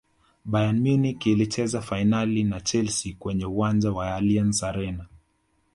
bayern munich ilicheza fainali na Chelsea kwenye uwanja allianz arena